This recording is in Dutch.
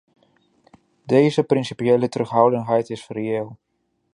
Deze principiële terughoudendheid is reëel.